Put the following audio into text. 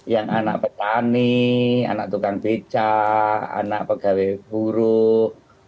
yang anak petani anak tukang beca anak pegawai buruk